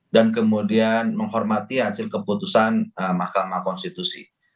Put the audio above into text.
dan kemudian menghormati hasil keputusan mahkamah konstitusi